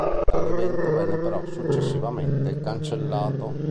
Tale evento venne però successivamente cancellato.